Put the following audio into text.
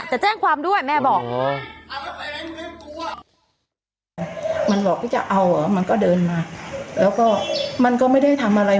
แต่แจ้งความด้วยแม่บอกมันบอกพี่จะเอาเหรอมันก็เดินมาแล้วก็มันก็ไม่ได้ทำอะไร